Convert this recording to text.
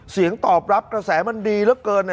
เสียงตอบรับกระแสมันดีเหลือเกิน